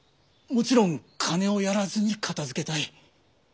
もちろん金をやらずに片づけたい。